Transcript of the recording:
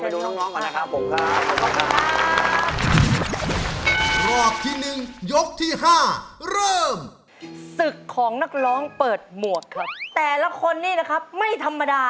หนูเห็นพี่เบนจาเลือกเพลงเร็วมา